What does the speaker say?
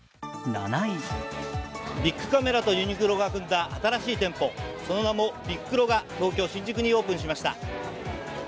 ビックカメラとユニクロが組んだ、その名もビックロ、東京・新宿にオープンしました。